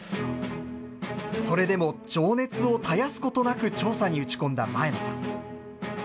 それでも、情熱を絶やすことなく調査に打ち込んだ前野さん。